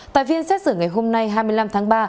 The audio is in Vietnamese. tài viên xét xử ngày hôm nay hai mươi năm tháng ba